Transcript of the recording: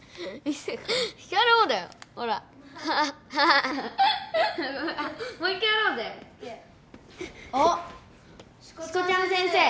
しこちゃん先生！